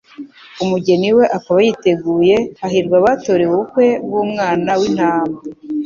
Umugeni we akaba yiteguye. Hahirwa abatorewe ubukwe bw'Umwana w'intama''.»